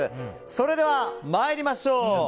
それでは参りましょう。